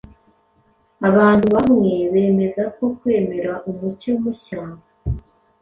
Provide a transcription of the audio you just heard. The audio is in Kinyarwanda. abantu bamwe bemeza ko kwemera umucyo mushya